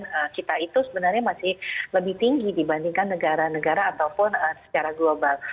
karena kita itu sebenarnya masih lebih tinggi dibandingkan negara negara ataupun secara global